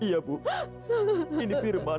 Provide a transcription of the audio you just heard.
iya bu ini firman